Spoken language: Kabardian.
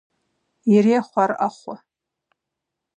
Ирехъу ар Ӏэхъуэ.